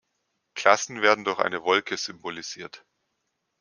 Klassen werden durch eine Wolke symbolisiert.